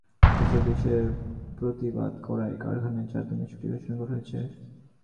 এসব বিষয়ের প্রতিবাদ করায় কারখানায় চার দিনের ছুটি ঘোষণা করা হয়েছে।